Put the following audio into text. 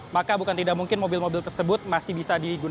maka bukan tidak mungkin mobil mobil tersebut masih bisa digunakan